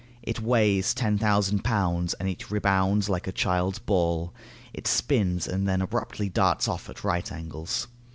It weighs ten thousand pounds, and it rebounds like a child's ball. It spins and then abruptly darts off at right angles.